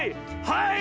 はい！